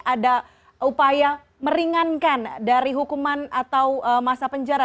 ada upaya meringankan dari hukuman atau masa penjara